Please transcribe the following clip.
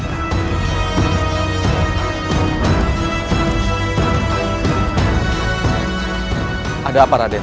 gusti yang agung